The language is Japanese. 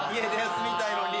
・休みたいのに。